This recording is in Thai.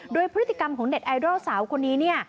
โดยพฤติกรรมของเน็ตไอดอลสาวคนนี้เนี่ย